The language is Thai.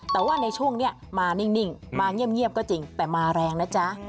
แต่ว่าในช่วงนี้มานิ่งมาเงียบก็จริงแต่มาแรงนะจ๊ะ